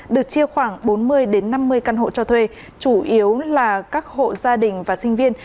được chia khoảng bốn mươi năm mươi căn hộ cho thuê chủ yếu là các hộ gia đình và sinh viên